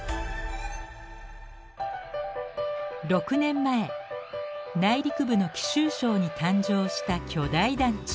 ６年前内陸部の貴州省に誕生した巨大団地。